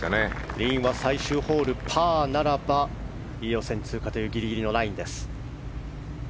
リンは最終ホール、パーならば予選通過というギリギリのラインです。